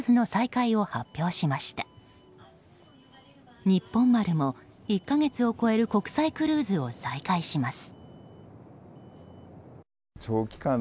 「にっぽん丸」も１か月を超える国際クルーズを再開します。